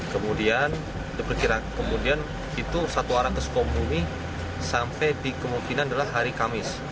kemudian diperkirakan kemudian itu satu arah ke sukabumi sampai di kemungkinan adalah hari kamis